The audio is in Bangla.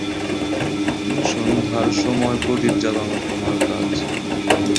সন্ধ্যার সময় প্রদীপ জ্বালানো তোমার কাজ।